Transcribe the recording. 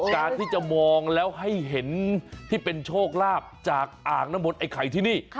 การที่จะมองแล้วให้เห็นที่เป็นโชคลาภจากอ่างน้ำมนต์ไอ้ไข่ที่นี่